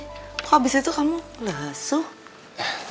kok abis itu kamu lesuh